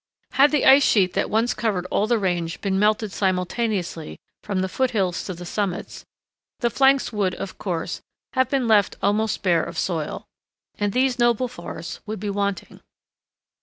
Had the ice sheet that once covered all the range been melted simultaneously from the foot hills to the summits, the flanks would, of course, have been left almost bare of soil, and these noble forests would be wanting.